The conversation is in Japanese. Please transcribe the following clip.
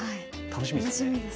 楽しみですね。